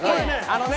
あのね。